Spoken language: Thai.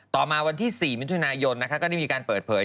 ต่อมาวันที่๔มยนะคะก็ได้มีการเปิดเผย